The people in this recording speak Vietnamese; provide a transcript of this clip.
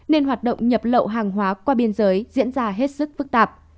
nên hoạt động nhập lậu hàng hóa qua biên giới diễn ra hết sức phức tạp